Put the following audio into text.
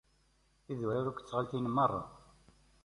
Idurar akked tɣaltin merra.